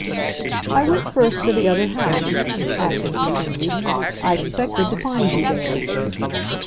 "I went first to the other house," Acton continued. "I expected to find you there."